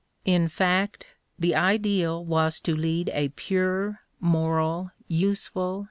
In fact, the ideal was to lead a pure, moral, useful.